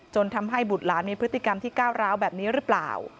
ทำให้บุตรหลานมีพฤติกรรมที่ก้าวร้าวแบบนี้หรือเปล่า